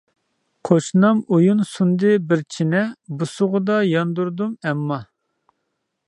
قوشنام ئويۇن سۇندى بىر چىنە، بوسۇغىدا ياندۇردۇم ئەمما.